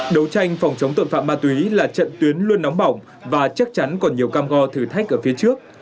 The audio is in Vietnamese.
đấu tranh phòng chống tội phạm ma túy là trận tuyến luôn nóng bỏng và chắc chắn còn nhiều cam go thử thách ở phía trước